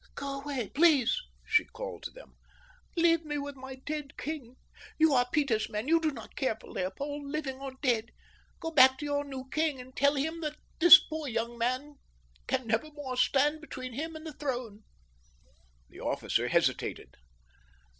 "Go away, please!" she called to them. "Leave me with my dead king. You are Peter's men. You do not care for Leopold, living or dead. Go back to your new king and tell him that this poor young man can never more stand between him and the throne." The officer hesitated.